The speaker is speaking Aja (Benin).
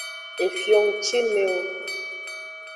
Efio ngcimewo.